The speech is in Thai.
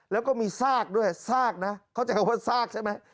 แล้วก็มีซากด้วยซากนะเข้าใจคำว่าซากใช่ไหม